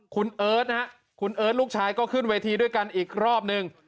คุณเอิร์ทนะฮะคุณเอิร์ทลูกชายก็ขึ้นเวทีด้วยกันอีกรอบนึง